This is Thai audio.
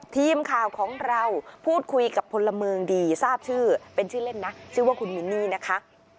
ทีมข่าวของเราพูดคุยกับพลเมืองดีทราบชื่อเป็นชื่อเล่นนะชื่อว่าคุณมินนี่นะคะ